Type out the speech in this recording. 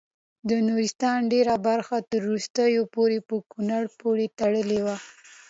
د نورستان ډیره برخه تر وروستیو پورې په کونړ پورې تړلې وه.